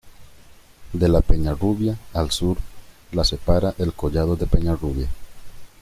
De la Peñarrubia, al sur, la separa el collado de Peñarrubia.